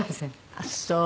あっそう。